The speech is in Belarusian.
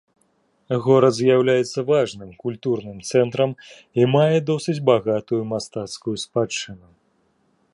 Горад з'яўляецца важным культурным цэнтрам і мае досыць багатую мастацкую спадчыну.